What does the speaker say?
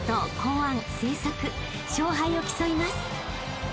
［勝敗を競います］